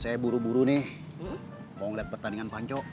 saya buru buru nih mau lihat pertandingan pancok